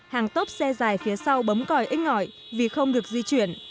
hàng tốp xe dài phía sau bấm còi ít ngỏi vì không được di chuyển